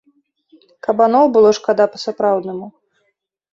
Кабаноў было шкада па-сапраўднаму.